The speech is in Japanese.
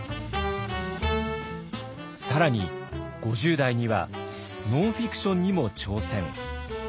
更に５０代にはノンフィクションにも挑戦。